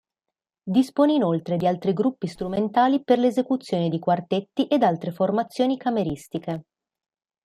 Dispone inoltre di altri gruppi strumentali per l'esecuzione di quartetti ed altre formazioni cameristiche.